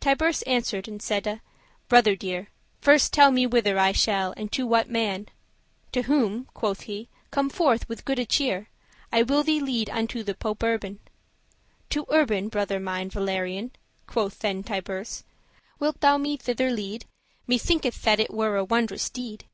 Tiburce answer'd, and saide, "Brother dear, First tell me whither I shall, and to what man?" "To whom?" quoth he, "come forth with goode cheer, I will thee lead unto the Pope Urban." "To Urban? brother mine Valerian," Quoth then Tiburce; "wilt thou me thither lead? Me thinketh that it were a wondrous deed.